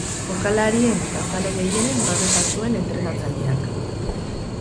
Jokalarien eta zale gehienen babesa zuen entrenatzaileak.